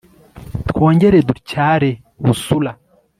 twongere dutyare busura